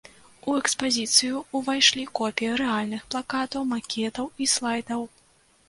У экспазіцыю ўвайшлі копіі рэальных плакатаў, макетаў і слайдаў.